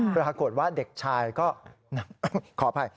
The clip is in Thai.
ปรากฏว่าเด็กชายก็ขออภัย